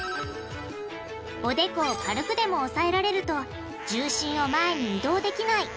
おでこを軽くでも押さえられると重心を前に移動できない。